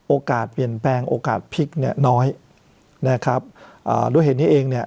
โอกาสเปลี่ยนแปลงโอกาสพลิกเนี่ยน้อยนะครับอ่าด้วยเหตุนี้เองเนี่ย